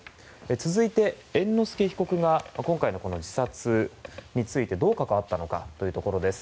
続いて、猿之助被告が今回の自殺についてどう関わったのかところです。